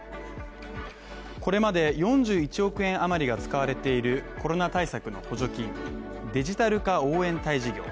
これまで４１億円あまりが使われているコロナ対策の補助金デジタル化応援隊事業。